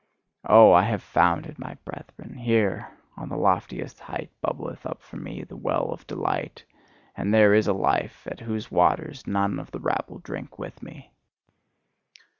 Oh, I have found it, my brethren! Here on the loftiest height bubbleth up for me the well of delight! And there is a life at whose waters none of the rabble drink with me!